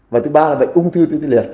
và thứ ba là bệnh ung thư tuyến liệt